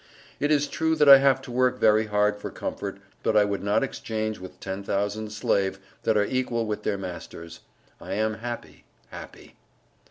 It is true that I have to work very hard for comfort but I would not exchange with ten thousand slave that are equel with their masters. I am Happy, Happy.